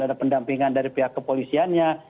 ada pendampingan dari pihak kepolisiannya